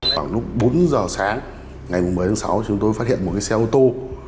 khoảng lúc bốn giờ sáng ngày một mươi tháng sáu chúng tôi phát hiện một cái xe ô tô